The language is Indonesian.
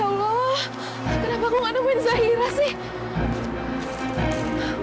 ya allah kenapa aku nggak nemuin zahira sih